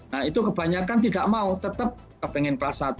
nah itu kebanyakan tidak mau tetap kepengen kelas satu